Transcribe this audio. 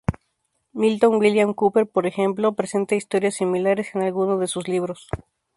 Milton William Cooper, por ejemplo, presenta historias similares en algunos de sus libros.